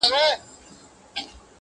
• هم غړومبی دی له اسمانه هم له مځکي ,